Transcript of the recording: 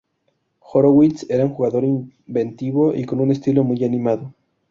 Horowitz era un jugador inventivo y con un estilo muy animado.